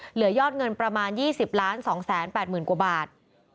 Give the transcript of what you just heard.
เหลือยอดเงินประมาณ๒๐๒๘๐๐๐กว่าบาท